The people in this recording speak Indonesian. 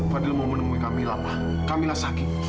fadil mau menemui kamila pak kamila sakit